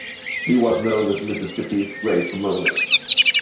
He was known as Mississippi's Great Commoner.